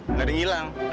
nggak ada yang hilang